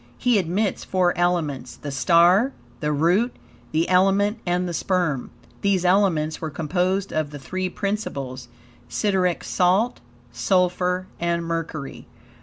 He admits four elements the STAR, the ROOT, the ELEMENT and the SPERM. These elements were composed of the three principles, SIDERIC SALT, SULPHUR, and MERCURY.